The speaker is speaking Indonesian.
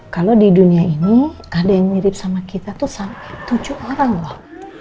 kalau di dunia ini ada yang mirip sama kita tuh sampai tujuh orang loh